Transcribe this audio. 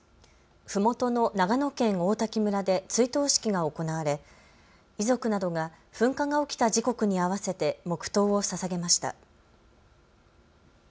ふもとの長野県王滝村で追悼式が行われ、遺族などが噴火が起きた時刻に合わせて黙とうをささげました。